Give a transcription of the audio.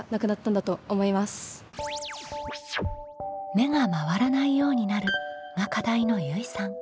「目が回らないようになる」が課題のゆいさん。